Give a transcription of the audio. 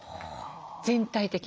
全体的に。